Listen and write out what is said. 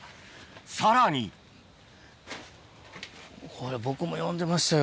さらにこれ僕も読んでましたよ